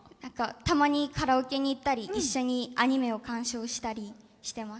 たまにカラオケに行ったり一緒にアニメを観賞したりしてます。